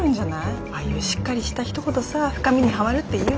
ああいうしっかりした人ほどさ深みにはまるっていうか。